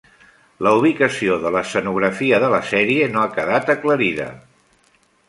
La ubicació de l'escenografia de la sèrie no ha quedat aclarida.